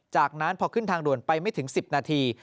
จากนั้นพอขึ้นทางด่วนไปไม่ถึง๑๐นาที